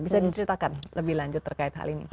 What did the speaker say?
bisa diceritakan lebih lanjut terkait hal ini